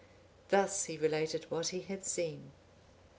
Thus he related what he had seen.